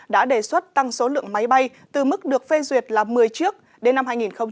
đã đề xuất tăng số lượng máy bay từ mức được phê duyệt là một mươi chiếc đến năm hai nghìn hai mươi